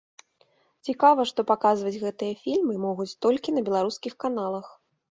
Цікава, што паказваць гэтыя фільмы могуць толькі на беларускіх каналах.